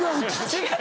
違う。